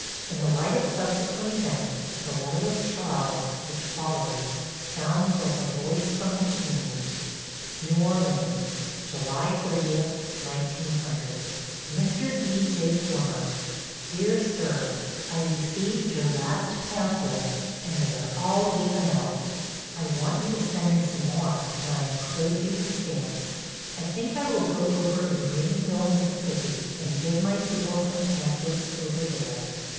In the light of subsequent events the letter of Charles, which follows, sounds like a voice from the tomb: New Orleans, July 30,1900 Mr. D.J. Flummer: Dear Sir I received your last pamphlets and they are all given out. I want you to send me some more, and I enclose you the stamps. I think I will go over in Greenville, Miss., and give my people some pamphlets over there.